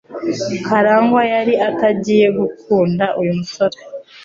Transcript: Karangwa yari atangiye gukunda uyu musore.